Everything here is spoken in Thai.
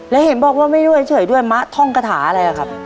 แล้วเห็นบอกว่าไม่ด้วยเฉยด้วยมะท่องกระถาอะไรอะครับ